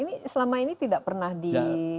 ini selama ini tidak pernah di